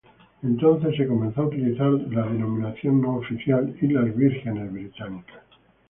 Entonces, se comenzó a utilizar la denominación no oficial "Islas Vírgenes Británicas".